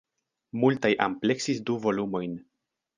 Multaj ampleksis du volumojn.